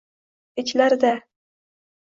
Ichlarida